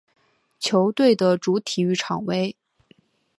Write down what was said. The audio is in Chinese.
球队的主体育场为。